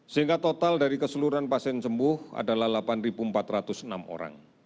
sehingga total dari keseluruhan pasien sembuh adalah delapan empat ratus enam orang